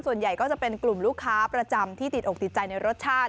ส่วนใหญ่ก็จะเป็นกลุ่มลูกค้าประจำที่ติดอกติดใจในรสชาติ